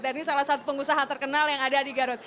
dan ini salah satu pengusaha terkenal yang ada di garut